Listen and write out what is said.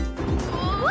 うわ！